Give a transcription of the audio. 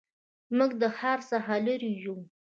موږ د ښار څخه لرې یو